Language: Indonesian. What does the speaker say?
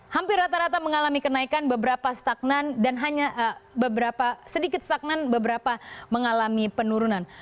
hampir rata rata mengalami kenaikan beberapa stagnan dan hanya beberapa sedikit stagnan beberapa mengalami penurunan